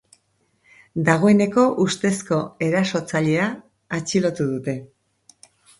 Dagoeneko ustezko erasotzailea atxilotu dute.